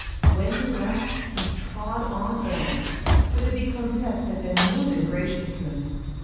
When he left, he "trod on air," for the Vicomtesse had been more than gracious to him.